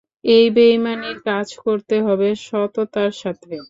এই বেইমানির কাজ করতে হবে সততার সাথে।